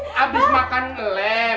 habis makan melem